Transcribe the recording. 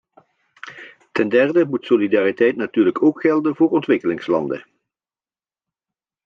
Ten derde moet solidariteit natuurlijk ook gelden voor ontwikkelingslanden.